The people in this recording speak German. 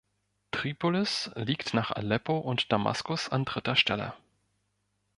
Tripolis liegt nach Aleppo und Damaskus an dritter Stelle.